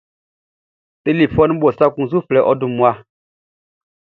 Telefɔnunʼn bo, sran kun su flɛ ɔ dunmanʼn.